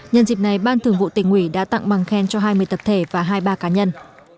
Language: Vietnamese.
nhân dịp này ban thường vụ tỉnh ủy đã tặng bằng khen cho hai mươi tập thể và hai mươi ba cá nhân